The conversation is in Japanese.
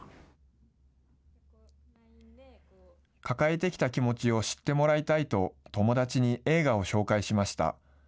抱えてきた気持ちを知ってもらいたいと、友達に映画を紹介しました。